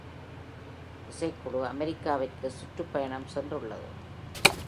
இசைக்குழு அமெரிக்காவிற்கு சுற்றுப்பயணம் சென்றுள்ளது.